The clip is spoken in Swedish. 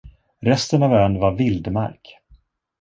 Resten av ön var vildmark.